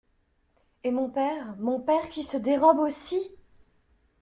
Et mon père, mon père qui se dérobe aussi!